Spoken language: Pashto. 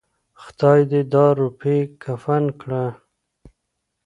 خداى دې دا روپۍ کفن کړه.